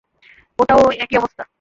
এটাও ঐ একই অবস্থা।